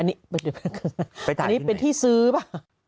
อันนี้เป็นที่ซื้อป่ะ